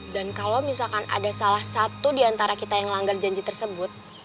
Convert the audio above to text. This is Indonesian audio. dan kalau misalkan ada salah satu diantara kita yang ngelanggar janji tersebut